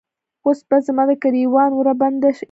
اوس به زما د ګریوان وره باندې هم